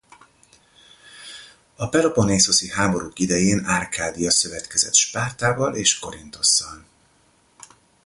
A peloponnészoszi háború idején Árkádia szövetkezett Spártával és Korinthosszal.